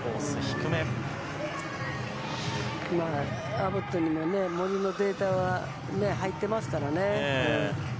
アボットにも森のデータは入ってますからね。